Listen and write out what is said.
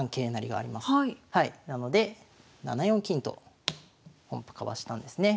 なので７四金と本譜かわしたんですね。